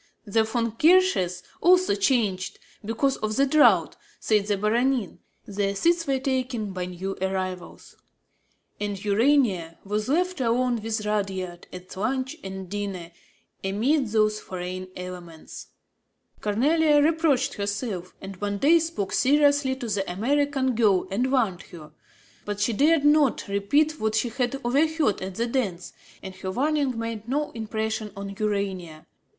The Von Rothkirches also changed, because of the draught, said the Baronin; their seats were taken by new arrivals; and Urania was left alone with Rudyard at lunch and dinner, amid those foreign elements. Cornélie reproached herself and one day spoke seriously to the American girl and warned her. But she dared not repeat what she had overheard at the dance; and her warning made no impression on Urania.